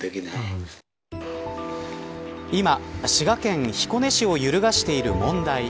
今、滋賀県彦根市を揺るがしている問題。